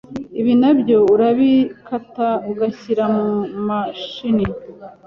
Ibi nabyo urabikata ugashyira mu mashini